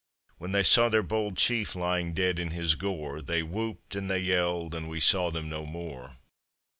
When they saw their bold chief lying dead in his gore, They whooped and they yelled and we saw them no more.